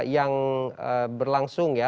yang berlangsung ya